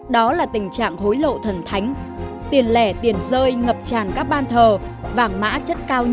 đó là tình trạng hối lộ thần thánh tiền lẻ tiền rơi ngập tràn các ban thờ vàng mã chất cao nhất